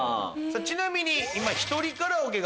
ちなみに。